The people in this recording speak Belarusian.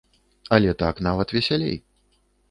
Але так нават весялей.